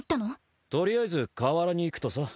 取りあえず河原に行くとさ。